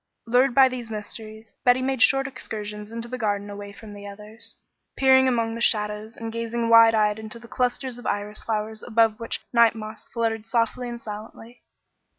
Lured by these mysteries, Betty made short excursions into the garden away from the others, peering among the shadows, and gazing wide eyed into the clusters of iris flowers above which night moths fluttered softly and silently.